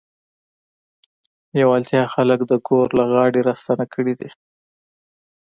لېوالتیا خلک د ګور له غاړې راستانه کړي دي.